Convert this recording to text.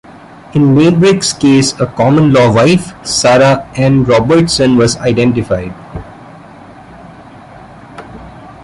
In Maybrick's case a common-law wife, Sarah Ann Robertson, was identified.